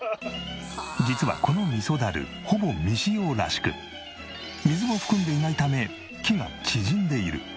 実はこの味噌だるほぼ未使用らしく水を含んでいないため木が縮んでいる。